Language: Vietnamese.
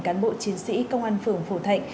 cán bộ chiến sĩ công an phường phổ thạnh